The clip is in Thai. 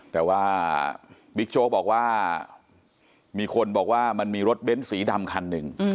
แต่ว่าบิ๊กโจ๊กบอกว่ามีคนบอกว่ามันมีรถเบ้นสีดำคันหนึ่ง